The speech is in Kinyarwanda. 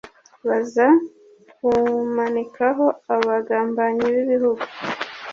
baza kumanikaho abagambanyi bigihugu